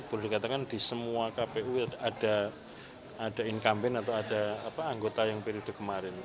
boleh dikatakan di semua kpu ada incumbent atau ada anggota yang periode kemarin